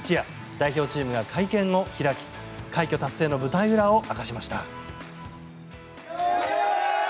代表チームが会見を開き快挙達成の舞台裏を明かしました。